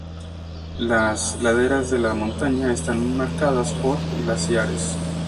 Las laderas de la montaña están marcadas por glaciares.